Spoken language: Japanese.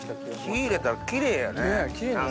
火入れたらキレイやね。